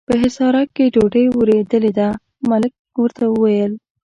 په حصارک کې ډوډۍ ورېدلې ده، ملک ورته وویل.